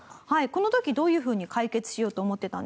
この時どういうふうに解決しようと思ってたんですか？